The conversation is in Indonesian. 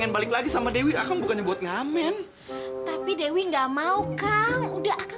aku bilang yang inang uranium itu ini denis